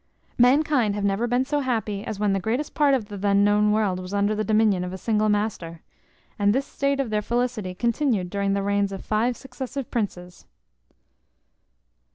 Mankind have never been so happy, as when the greatest part of the then known world was under the dominion of a single master; and this state of their felicity continued during the reigns of five successive princes.